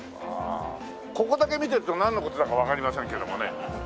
ここだけ見てるとなんの事だかわかりませんけどもね。